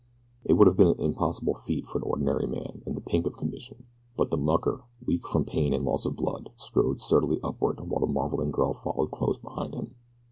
It would have been an impossible feat for an ordinary man in the pink of condition, but the mucker, weak from pain and loss of blood, strode sturdily upward while the marveling girl followed close behind him.